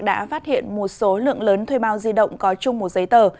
đã phát hiện một số lượng lớn thuê bao di động có chung một giấy tờ